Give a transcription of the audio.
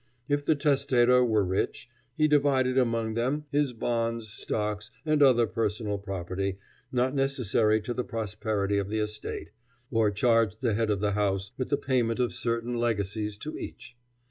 If the testator were rich, he divided among them his bonds, stocks, and other personal property not necessary to the prosperity of the estate, or charged the head of the house with the payment of certain legacies to each.